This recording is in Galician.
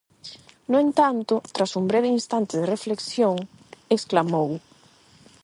No entanto, tras un breve instante de reflexión, exclamou: